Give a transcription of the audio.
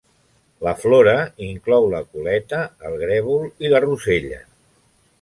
La flora inclou la coleta, el grèvol i la rosella.